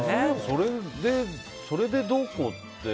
別に、それでどうこうって。